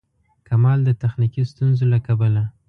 کمال د تخنیکي ستونزو له کبله.